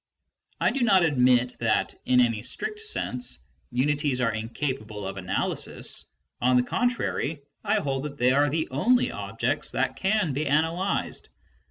I do not admit that, in any strict sense, unities are incapable of analysis ; on the contrary, I hold that they are the only objects that can be analysed.